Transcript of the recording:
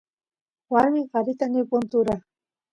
warmi qarita nipun tura